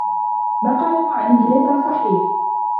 ما قاله عن إنجلترا صحيح.